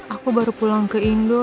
aku baru pulang ke indo